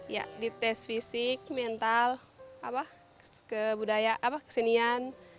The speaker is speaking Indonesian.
ya dites fisik mental kebudayaan kesenian